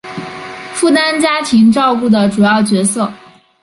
负担家庭照顾的主要角色